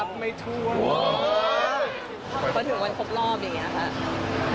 พอถึงวันครบรอบอย่างนี้ค่ะ